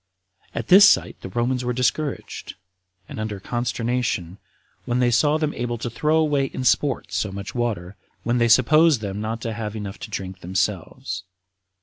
At this sight the Romans were discouraged, and under consternation, when they saw them able to throw away in sport so much water, when they supposed them not to have enough to drink themselves.